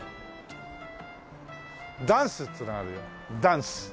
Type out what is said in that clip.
「ダンス」っつうのがあるよ「ダンス」。